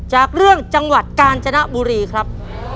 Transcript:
จากเรื่องจังหวัดกาญจนบุรีครับ